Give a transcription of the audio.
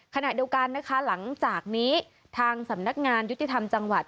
ขณะเดียวกันนะคะหลังจากนี้ทางสำนักงานยุติธรรมจังหวัด